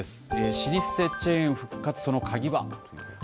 老舗チェーン復活、その鍵は。